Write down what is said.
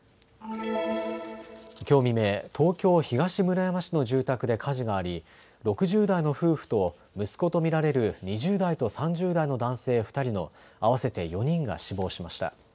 きょう未明、東京東村山市の住宅で火事があり６０代の夫婦と息子と見られる２０代と３０代の男性２人の合わせて４人が死亡しました。